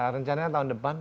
rencananya tahun depan